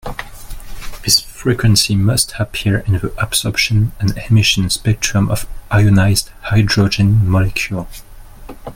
This frequency must appear in the absorption and emission spectrum of ionized hydrogen molecule.